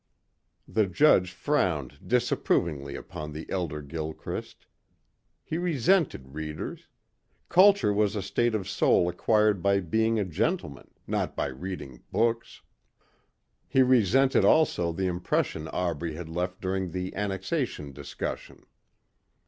The judge frowned disapprovingly upon the elder Gilchrist. He resented readers. Culture was a state of soul acquired by being a gentleman, not by reading books. He resented also the impression Aubrey had left during the Annexation discussion.